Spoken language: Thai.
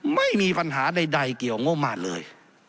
ไม่มีปัญหาใดเกี่ยวงบมารเลย